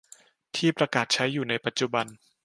ที่ประกาศใช้อยู่ในปัจจุบัน